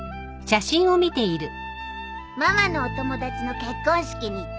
ママのお友達の結婚式に行ったのよ。